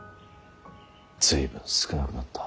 随分少なくなった。